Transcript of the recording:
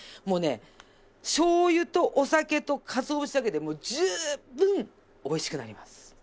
もうね醤油とお酒とかつお節だけでもう十分おいしくなります。